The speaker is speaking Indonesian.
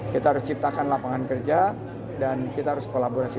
kita harus ciptakan lapangan kerja dan kita harus kolaborasi